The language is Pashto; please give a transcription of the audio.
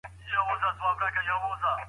که ئې دا خبره وکړه، چي ميرمن پر حرامه ده.